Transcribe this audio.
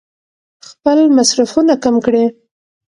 خپل مصرفونه کم کړي.